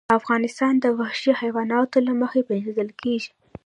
افغانستان د وحشي حیواناتو له مخې پېژندل کېږي.